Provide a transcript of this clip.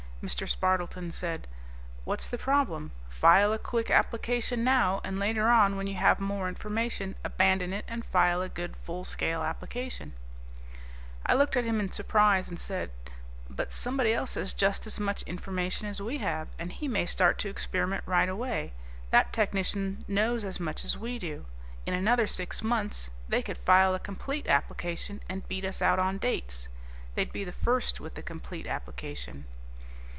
Mr. Spardleton said, "What's the problem? File a quick application now, and later on when you have more information, abandon it and file a good, full scale application." I looked at him in surprise and said, "But somebody else has just as much information as we have, and he may start to experiment right away. That technician knows as much as we do. In another six months they could file a complete application and beat us out on dates; they'd be first with the complete application."